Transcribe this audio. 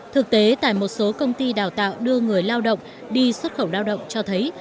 thực tế tại một số công ty đào tạo đưa người lao động đi xuất khẩu lao động cho thấy